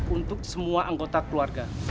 untuk semua anggota keluarga